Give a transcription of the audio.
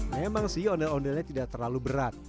memang sih ondel ondelnya tidak terlalu berat